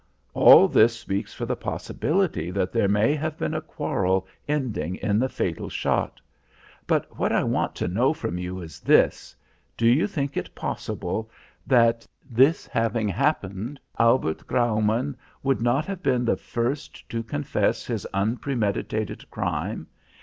"All this speaks for the possibility that there may have been a quarrel ending in the fatal shot. But what I want to know from you is this do you think it possible, that, this having happened, Albert Graumann would not have been the first to confess his unpremeditated crime?